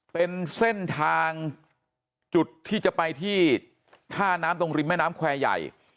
เป็นเส้นทางจุดที่จะไปที่ท่าน้ำตรงริมแม่น้ำแควร์ใหญ่